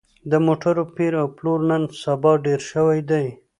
د موټرو پېر او پلور نن سبا ډېر شوی دی